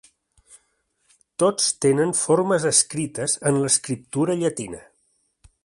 Tots tenen formes escrites en l'escriptura llatina.